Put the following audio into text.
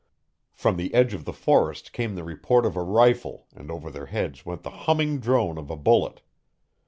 From the edge of the forest came the report of a rifle and over their heads went the humming drone of a bullet.